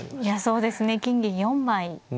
そうですね金銀４枚。